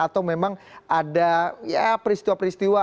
atau memang ada peristiwa peristiwa